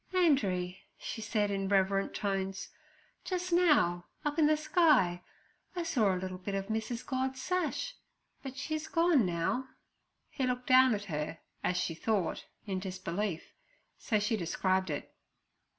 'Andree' she said, in reverent tones, 'just now, up in the sky, I saw a little bit of Mrs. God's sash, but she's gone now.' He looked down at her, as she thought, in disbelief, so she described it.